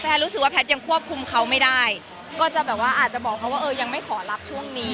รู้สึกว่าแพทย์ยังควบคุมเขาไม่ได้ก็จะแบบว่าอาจจะบอกเขาว่าเออยังไม่ขอรับช่วงนี้